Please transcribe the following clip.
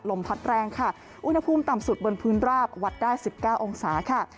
ลมพัดแรงค่ะอุณหภูมิต่ำสุดบนพื้นราบวัดได้๑๙องศาค่ะ